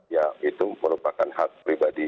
ya itu merupakan hak pribadi